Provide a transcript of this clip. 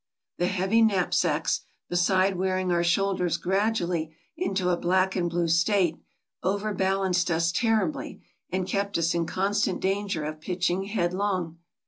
The heavy knapsacks, beside wearing our shoulders gradually into a black and blue state, overbalanced us terribly, and kept us in constant danger of pitching headlong.